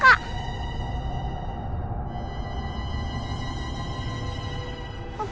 kak itu apa kak